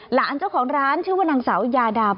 หลานเจ้าของร้านชื่อว่านางสาวยาดา